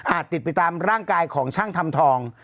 ติดไปตามร่างกายของช่างทำทอง